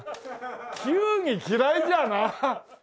球技嫌いじゃなあ。